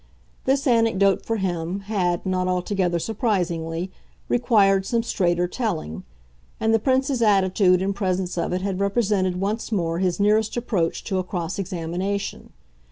This anecdote, for him, had, not altogether surprisingly, required some straighter telling, and the Prince's attitude in presence of it had represented once more his nearest approach to a cross examination.